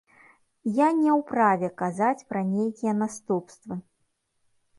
Я не ў праве казаць пра нейкія наступствы.